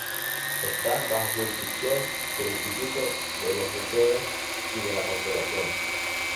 Está bajo jurisdicción del Instituto de los Museos y de la Conservación.